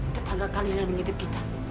tetangga kalian yang mengitip kita